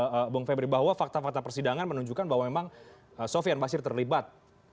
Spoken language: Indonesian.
oke bung febri bahwa fakta fakta persidangan menunjukkan bahwa memang sofian basir terlibat